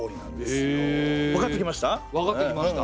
わかってきました？